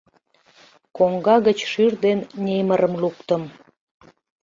Коҥга гыч шӱр ден немырым луктым.